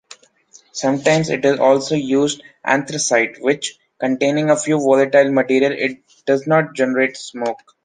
Sometimes it is also used anthracite, which, containing a few volatile materials, it doesn't generate smoke.